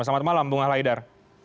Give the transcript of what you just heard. selamat malam bung al haidar